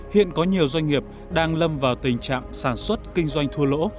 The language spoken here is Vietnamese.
hiện có nhiều doanh nghiệp đang lâm vào tình trạng sản xuất kinh doanh thua lỗ